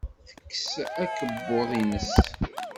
Tekkes akebbuḍ-nnes.